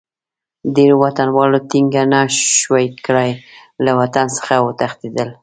ډېرو وطنوالو ټینګه نه شوای کړای، له وطن څخه وتښتېدل.